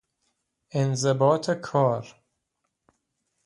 انضباط کار